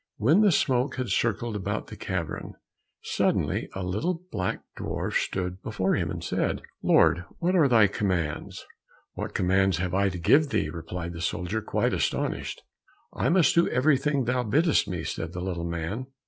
When the smoke had circled about the cavern, suddenly a little black dwarf stood before him, and said, "Lord, what are thy commands?" "What commands have I to give thee?" replied the soldier, quite astonished. "I must do everything thou biddest me," said the little man.